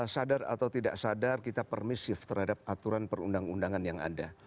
sadar atau tidak sadar kita permisif terhadap aturan perundang undangan yang ada